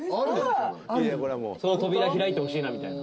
その扉開いてほしいなみたいな。